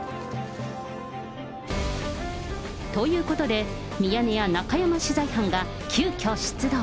ということで、ミヤネ屋、中山取材班が急きょ出動。